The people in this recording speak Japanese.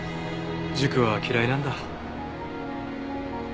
塾は嫌いなんだ？